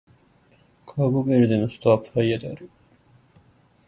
カーボベルデの首都はプライアである